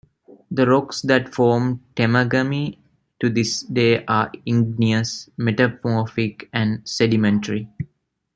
The rocks that form Temagami to this day are igneous, metamorphic and sedimentary.